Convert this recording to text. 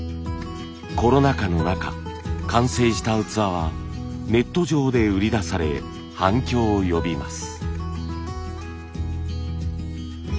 コロナ禍の中完成した器はネット上で売り出され反響を呼びます。